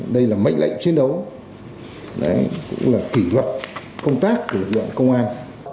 đây là mệnh lệnh chiến đấu cũng là kỷ luật công tác của lực lượng công an